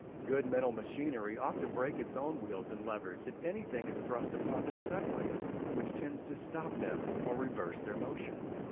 Good mental machinery ought to break its own wheels and levers, if anything is thrust upon them suddenly which tends to stop them or reverse their motion.